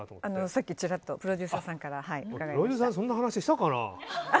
さっき、ちらっとプロデューサーさんからそんな話したかな。